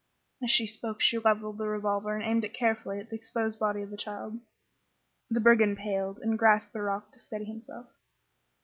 As she spoke she levelled the revolver and aimed it carefully at the exposed body of the child. The brigand paled, and grasped the rock to steady himself.